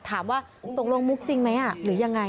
ถามว่าตกลงมุกจริงไหมหรือยังไง